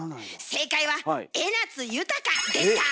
正解は江夏豊でした。